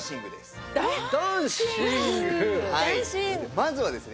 まずはですね